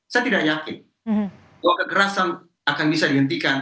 saya tidak yakin bahwa kekerasan akan bisa dihentikan